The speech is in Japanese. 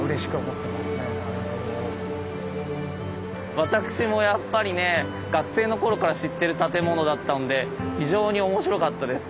私もやっぱりね学生の頃から知ってる建物だったんで非常に面白かったです。